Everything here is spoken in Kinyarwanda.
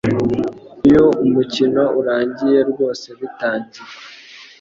Iyo umukino urangiye rwose biratangiye.